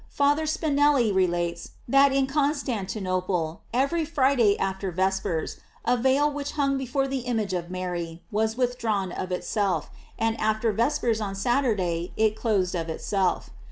Father Spinelli relates, that in Constantinople, every Friday after ves pers, a veil which hung before the image of Mary was withdrawn of itself, and after ves pers on Saturday it closed of itself.